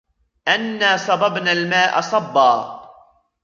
أَنَّا صَبَبْنَا الْمَاءَ صَبًّا